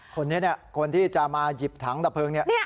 คนนี้เนี่ยคนที่จะมาหยิบถังดับเพลิงเนี่ย